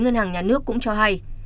ngân hàng nhà nước cũng cho hay